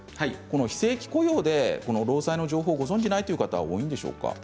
非正規雇用で労災の情報をご存じないという方も多いんでしょうか。